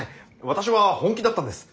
私は本気だったんです。